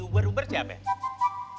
uber uber siapa ya